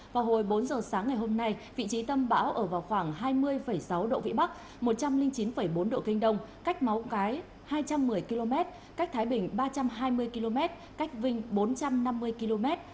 vào hồi bốn giờ sáng ngày hôm nay vị trí tâm bão ở vào khoảng hai mươi sáu độ vĩ bắc một trăm linh chín bốn độ kinh đông cách máu cái hai trăm một mươi km cách thái bình ba trăm hai mươi km cách vinh bốn trăm năm mươi km